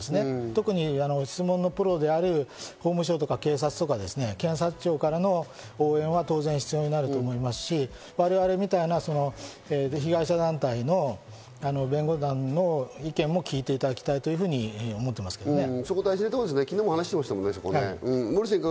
特に質問のプロである法務省とか警察、検察庁からの応援は当然、必要になると思いますし、我々みたいな被害者団体の、弁護団の意見も聞いていただきたいというふうに思っていますけどね。